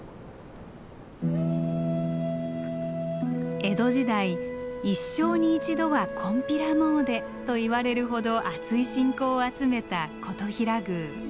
江戸時代「一生に一度はこんぴら詣で」といわれるほどあつい信仰を集めた金刀比羅宮。